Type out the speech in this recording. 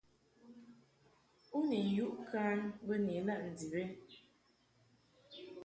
U ni yuʼ kan bə ni ilaʼ ndib ɨ ?